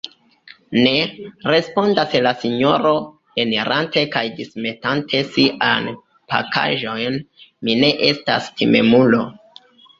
Ne, respondas la sinjoro, enirante kaj dismetante siajn pakaĵojn, mi ne estas timemulo!